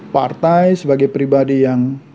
partai sebagai pribadi yang